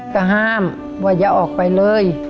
ก็ห้ามว่าอย่าออกไปเลย